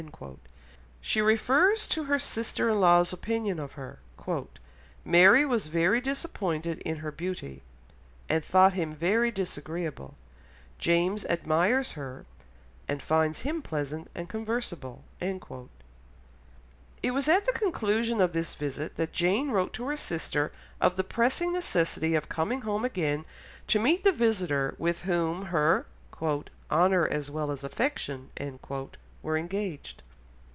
She refers to her sister in law's opinion of her, "Mary was very disappointed in her beauty, and thought him very disagreeable; James admires her and finds him pleasant and conversable." It was at the conclusion of this visit that Jane wrote to her sister of the pressing necessity of coming home again to meet the visitor with whom her "honour as well as affection" were engaged.